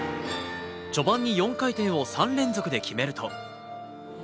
序盤に４回転を３連続で決めると。